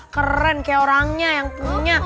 keren kayak orangnya yang punya